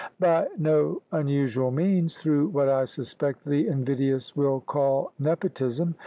"By no unusual means; through what I suspect the invidious will call Nepotism.